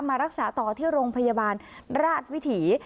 มารักษาต่อที่โรงพยาบาลราชวิถี